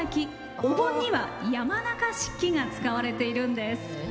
お盆には、山中漆器が使われているんです。